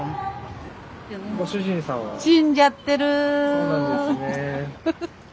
そうなんですね。